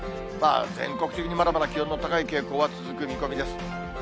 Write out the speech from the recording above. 全国的にまだまだ気温の高い傾向は続く見込みです。